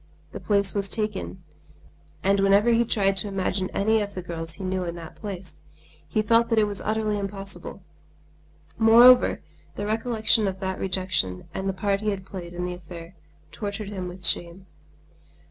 The place was taken, and whenever he tried to imagine any of the girls he knew in that place, he felt that it was utterly impossible. Moreover, the recollection of the rejection and the part he had played in the affair tortured him with shame.